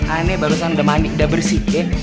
ana barusan udah mandi udah bersih ya